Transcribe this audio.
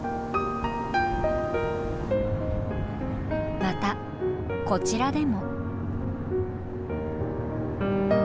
またこちらでも。